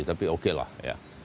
tapi okelah ya